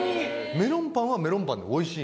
メロンパンはメロンパンでおいしいの。